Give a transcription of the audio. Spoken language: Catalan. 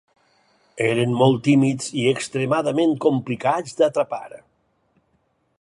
Eren molt tímids i extremadament complicats d'atrapar.